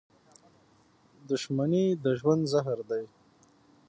• دښمني د ژوند زهر دي.